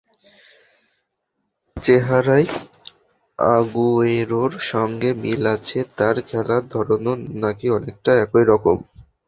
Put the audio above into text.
চেহারায় আগুয়েরোর সঙ্গে মিল আছে তাঁর, খেলার ধরণও নাকি অনেকটা একই রকম।